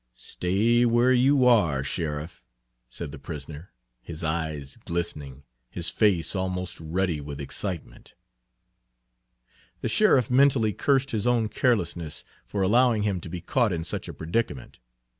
"Stay where you are, Sheriff," said the prisoner, his eyes glistening, his face almost ruddy with excitement. The sheriff mentally cursed his own carelessness for allowing him to be caught in such a predicament.